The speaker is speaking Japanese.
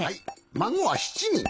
まごは７にん。